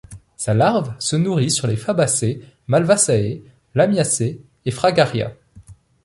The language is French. Sa larve se nourrit sur les Fabaceae, Malvaceae, Lamiaceae et Fragaria.